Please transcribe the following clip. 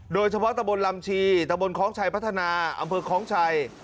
โดยเฉพาะตะบนลำชีตะบนคล้องชัยพัฒนาอำเภอคล้องชัย